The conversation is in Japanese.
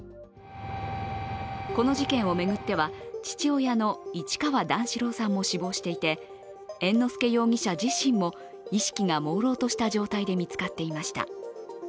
この事件を巡っては、父親の市川段四郎さんも死亡していて、猿之助容疑者自身も意識がもうろうとした状態で見つかっていました。